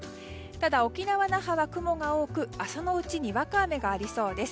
ただ、沖縄・那覇は雲が多く朝のうちにわか雨がありそうです。